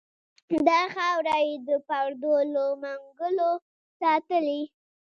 دا خاوره یې د پردو له منګلو ساتلې.